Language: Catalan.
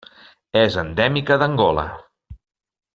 És endèmica d'Angola.